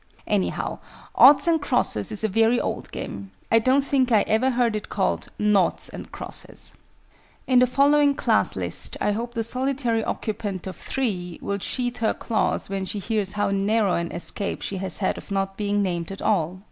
Anyhow, "oughts and crosses" is a very old game. I don't think I ever heard it called "noughts and crosses." In the following Class list, I hope the solitary occupant of III. will sheathe her claws when she hears how narrow an escape she has had of not being named at all.